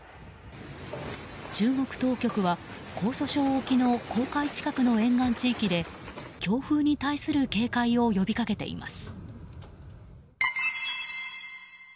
中国当局は江蘇省沖の黄海近くの沿岸地域で強風に対する警戒を呼びかけています。